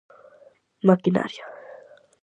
Maquinaria.